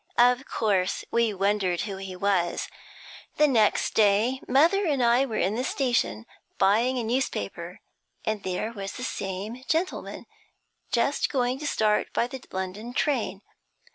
Of course, we wondered who he was. The next day mother and I were in the station, buying a newspaper, and there was the same gentleman, just going to start by the London train.